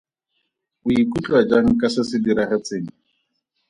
O ikutlwa jang ka ga se se diragetseng?